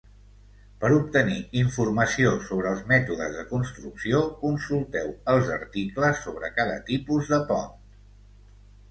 Per obtenir informació sobre els mètodes de construcció, consulteu els articles sobre cada tipus de pont.